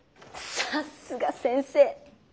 さっすが先生。